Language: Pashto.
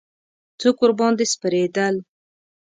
څوک ورباندې سپرېدل.